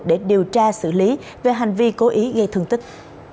để điều tra xử lý về hành vi cố ý gây thương tích